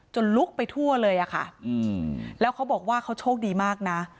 ลุกไปทั่วเลยอะค่ะแล้วเขาบอกว่าเขาโชคดีมากนะ